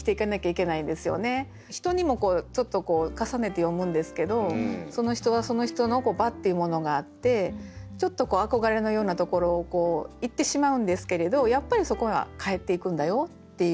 人にもちょっとこう重ねて読むんですけどその人はその人の場っていうものがあってちょっと憧れのようなところを行ってしまうんですけれどやっぱりそこには帰っていくんだよっていう。